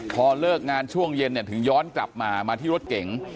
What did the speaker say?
พอเลิกงานช่วงเย็นถึงย้อนกลับมามาที่รถเก๋ง